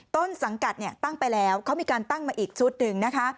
ต้นสังกัดตั้งไปแล้วเขามีการตั้งมาอีกชุดหนึ่งนะคะ